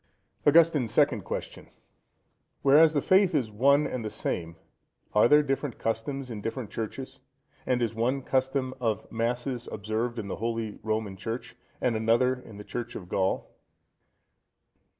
(123) Augustine's Second Question.—Whereas the faith is one and the same, are there different customs in different Churches? and is one custom of Masses observed in the holy Roman Church, and another in the Church of Gaul?